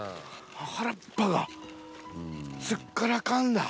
原っぱがすっからかんだ。